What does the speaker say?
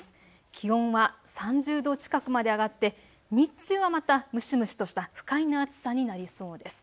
気温は３０度近くまで上がって日中はまた蒸し蒸しとした不快な暑さになりそうです。